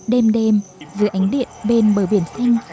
đêm đêm giữa ánh điện bên bờ biển xanh